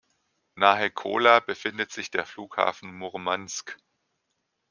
Nahe Kola befindet sich der Flughafen Murmansk.